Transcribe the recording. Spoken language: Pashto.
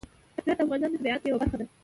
هرات د افغانستان د طبیعت یوه برخه ده.